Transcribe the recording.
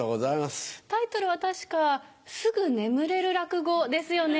タイトルは確か「すぐ眠れる落語」ですよね？